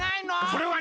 それはね